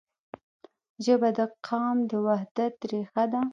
ژبه د قام د وحدت رښه ده.